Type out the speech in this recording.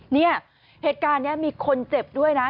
เนี่ยเหตุการณ์นี้มีคนเจ็บด้วยนะ